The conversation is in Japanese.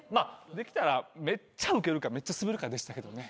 できたらめっちゃウケるかめっちゃスベるかでしたけどね。